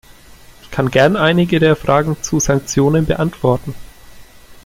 Ich kann gern einige der Fragen zu Sanktionen beantworten.